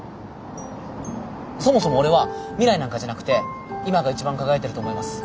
そもそも俺は未来なんかじゃなくて今が一番輝いてると思います。